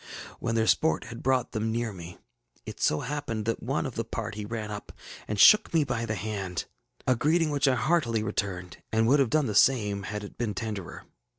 When their sport had brought them near me, it so happened that one of the party ran up and shook me by the band, a greeting which I heartily returned, and would have done the same had it been tenderer.